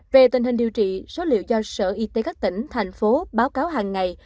về tình hình điều trị số liệu do sở y tế các tỉnh thành phố báo cáo hàng ngày